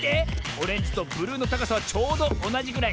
オレンジとブルーのたかさはちょうどおなじぐらい。